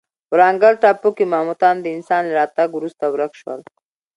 ورانګل ټاپو کې ماموتان د انسان له راتګ وروسته ورک شول.